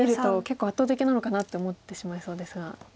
結構圧倒的なのかなって思ってしまいそうですが。